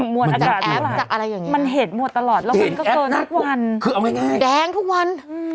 มัดแอบมันเห็นแอบตลอดแล้วมันก็เกินทุกวัน